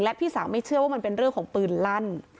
พี่สาวไม่เชื่อว่ามันเป็นเรื่องของปืนลั่น